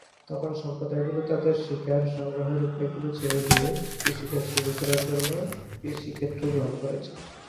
তখন সম্প্রদায়গুলি তাদের শিকার-সংগ্রহের উপায়গুলি ছেড়ে দিয়ে কৃষিকাজ শুরু করার জন্য কৃষিক্ষেত্র গ্রহণ করেছে।